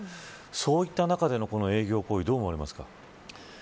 そういった中での営業行為どう思われますか。